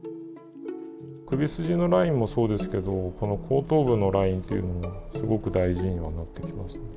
首筋のラインもそうですけどこの後頭部のラインっていうのはすごく大事にはなってきますね。